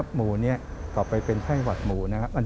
หมูนี้ต่อไปเป็นไข้หวัดหมูนะครับ